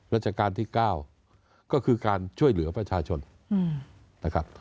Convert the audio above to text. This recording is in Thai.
ราชการที่๙ก็คือการช่วยเหลือประชาชนนะครับ